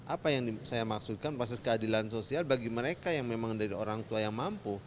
apa yang saya maksudkan proses keadilan sosial bagi mereka yang memang dari orang tua yang mampu